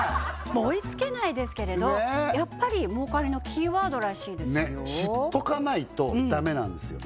もう追いつけないですけれどやっぱり儲かりのキーワードらしいですよ